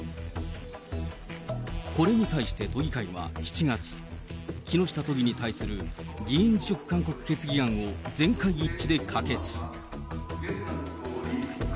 これに対して都議会は７月、木下都議に対する議員辞職勧告決議案を全会一致で可決。